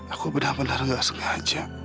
aku benar benar gak sengaja